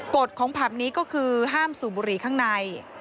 กฎของผับนี้ก็คือห้ามสูบบุหรี่ข้างใน